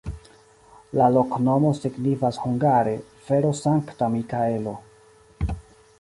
La loknomo signifas hungare: fero-Sankta Mikaelo.